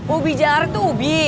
ubi jalar itu ubi